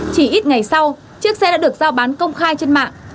chỉ ít ngày sau chiếc xe đã được giao bán công khai trên mạng